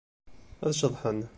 Ad ceḍḥen.